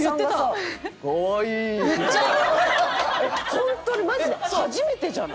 本当にマジで初めてじゃない？